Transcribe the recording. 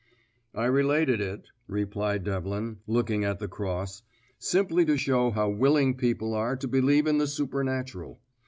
"I related it," replied Devlin, looking at the cross, "simply to show how willing people are to believe in the supernatural.